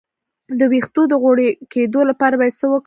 د ویښتو د غوړ کیدو لپاره باید څه وکړم؟